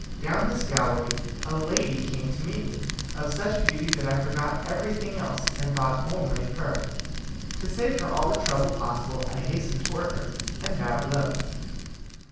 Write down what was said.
Down this gallery a lady came to meet me, of such beauty that I forgot everything else, and thought only of her. To save her all the trouble possible, I hastened towards her, and bowed low.